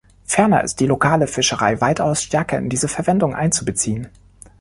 Ferner ist die lokale Fischerei weitaus stärker in diese Verwendung einzubeziehen.